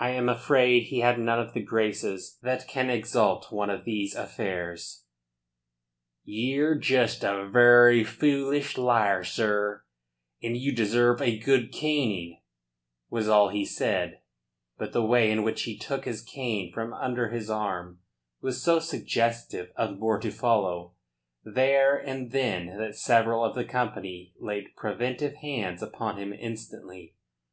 I am afraid he had none of the graces that can exalt one of these affairs. "Ye're just a very foolish liar, sir, and you deserve a good caning," was all he said, but the way in which he took his cane from under his arm was so suggestive of more to follow there and then that several of the company laid preventive hands upon him instantly.